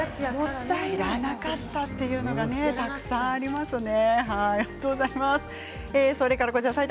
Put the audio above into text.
知らなかったというのがたくさんありますね。